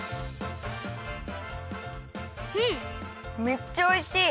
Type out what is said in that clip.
めっちゃおいしい！